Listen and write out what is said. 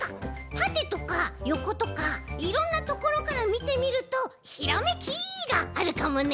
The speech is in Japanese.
たてとかよことかいろんなところからみてみるとひらめきがあるかもね。